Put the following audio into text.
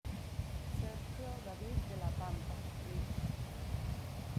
Sergio David de la Pampa; Lic.